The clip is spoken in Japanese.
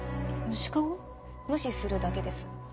無視するだけです。